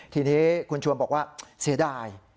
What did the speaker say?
ทีนี้คุณชวนบอกว่าเสียดาย